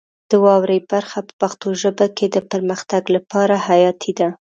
د واورئ برخه په پښتو ژبه کې د پرمختګ لپاره حیاتي ده.